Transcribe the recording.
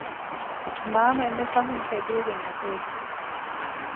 މާމަ އެންމެފަހުން ތެދުވެގެން އަތުވެއްޖެ